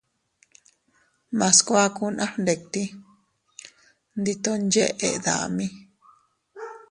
Mas kuakun a fgnditi, ndi ton yeʼe dami.